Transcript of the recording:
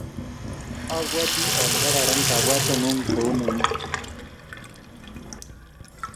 Abwoti ale kararan kabwateng'ung' kou nenyu.